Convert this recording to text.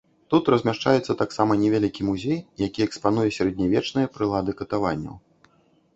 Тут размяшчаецца таксама невялікі музей, які экспануе сярэднявечныя прылады катаванняў.